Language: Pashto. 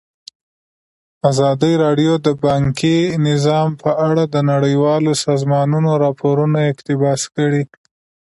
ازادي راډیو د بانکي نظام په اړه د نړیوالو سازمانونو راپورونه اقتباس کړي.